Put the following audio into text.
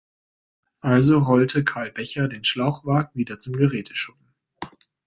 Also rollte Karl Becher den Schlauchwagen wieder zum Geräteschuppen.